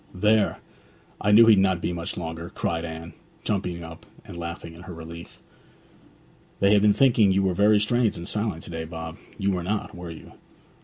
'There; I knew he'd not be much longer!' cried Anne, jumping up and laughing, in her relief. 'They have been thinking you were very strange and silent to day, Bob; you were not, were you?'